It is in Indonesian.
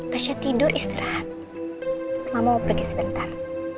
pasha tidur istirahat mama mau pergi sebentar